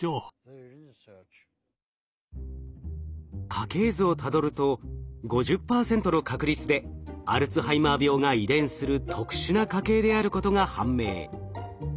家系図をたどると５０％の確率でアルツハイマー病が遺伝する特殊な家系であることが判明。